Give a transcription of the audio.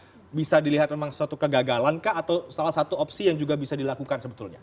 apakah bisa dilihat memang suatu kegagalan kah atau salah satu opsi yang juga bisa dilakukan sebetulnya